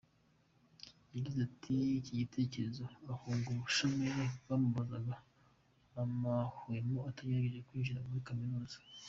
Yagize iki gitekerezo ahunga ubushomeri bwamubuzaga amahwemo ategereje kwinjira muri Kaminuza.